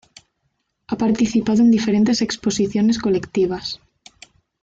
Ha participado en diferentes exposiciones colectivas.